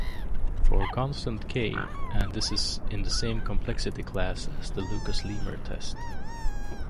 For constant "k", this is in the same complexity class as the Lucas-Lehmer test.